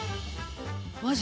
マジ？